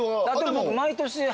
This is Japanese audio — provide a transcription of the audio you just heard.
僕。